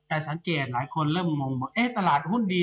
แต่สังเกตหลายคนเริ่มงงว่าตลาดหุ้นดี